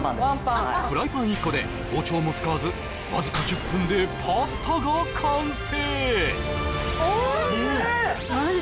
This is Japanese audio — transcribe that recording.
はいフライパン１個で包丁も使わずわずか１０分でパスタが完成！